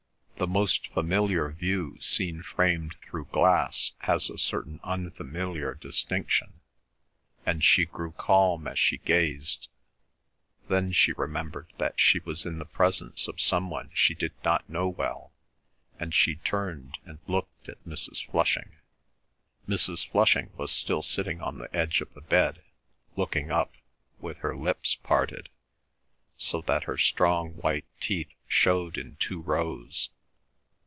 The most familiar view seen framed through glass has a certain unfamiliar distinction, and she grew calm as she gazed. Then she remembered that she was in the presence of some one she did not know well, and she turned and looked at Mrs. Flushing. Mrs. Flushing was still sitting on the edge of the bed, looking up, with her lips parted, so that her strong white teeth showed in two rows.